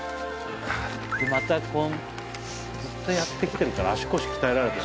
またずっとやってきてるから足腰鍛えられてる。